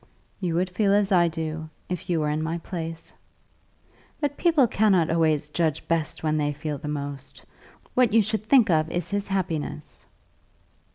"You would feel as I do, if you were in my place." "But people cannot always judge best when they feel the most. What you should think of is his happiness."